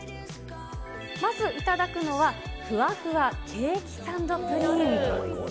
まず頂くのは、ふわふわケーキサンドプリン。